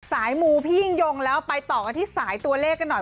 มูพี่ยิ่งยงแล้วไปต่อกันที่สายตัวเลขกันหน่อย